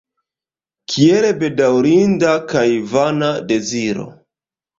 Kiel bedaŭrinda kaj vana deziro!